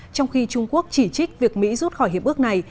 trong khi trung quốc chỉ trích việc mỹ rút khỏi hiệp ước này